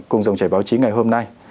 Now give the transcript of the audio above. cùng dòng trải báo chí ngày hôm nay